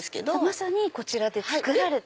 まさにこちらで作られて。